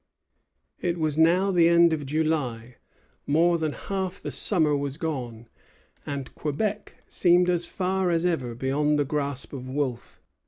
It was now the end of July. More than half the summer was gone, and Quebec seemed as far as ever beyond the grasp of Wolfe.